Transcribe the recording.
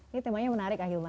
ini temanya menarik ahilman